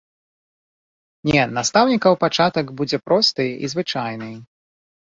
Не, настаўнікаў пачатак будзе просты і звычайны.